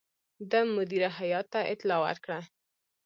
ده مدیره هیات ته اطلاع ورکړه.